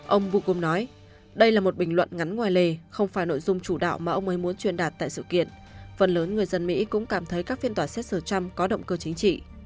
ông vô cùng nói đây là một bình luận ngắn ngoài lề không phải nội dung chủ đạo mà ông ấy muốn truyền đạt tại sự kiện phần lớn người dân mỹ cũng cảm thấy các phiên tòa xét xử trump có động cơ chính trị